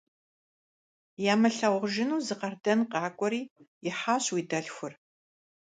Ямылъагъужыну зы къардэн къакӀуэри, ихьащ уи дэлъхур.